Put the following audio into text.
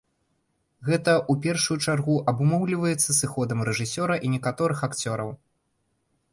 Гэта, у першую чаргу, абумоўліваецца сыходам рэжысёра і некаторых акцёраў.